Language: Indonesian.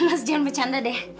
mas jangan bercanda deh